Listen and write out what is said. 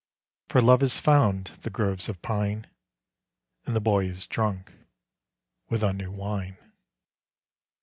For love has found the groves of pine, And the boy is drunk with a new wine.